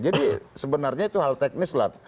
jadi sebenarnya itu hal teknis lah